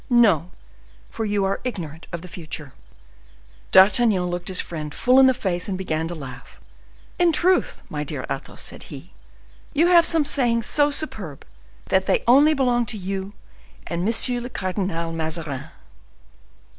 "No—for you are ignorant of the future." D'Artagnan looked his friend full in the face, and began to laugh. "In truth, my dear Athos," said he, "you have some sayings so superb, that they only belong to you and M. le Cardinal Mazarin."